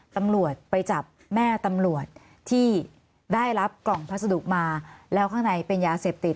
ตำรวจไปจับแม่ตำรวจที่ได้รับกล่องพัสดุมาแล้วข้างในเป็นยาเสพติด